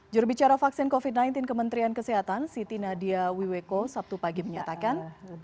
jurubicara vaksin covid sembilan belas kementerian kesehatan siti nadia wiweko sabtu pagi menyatakan